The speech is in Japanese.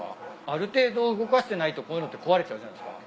ある程度動かしてないとこういうのって壊れちゃうじゃないっすか。